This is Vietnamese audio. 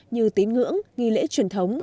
như tín ngưỡng nghi lễ truyền thống